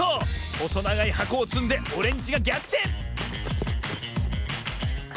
ほそながいはこをつんでオレンジがぎゃくてん！